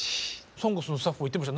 「ＳＯＮＧＳ」のスタッフも言ってました。